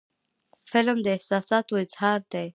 فلم د احساساتو اظهار دی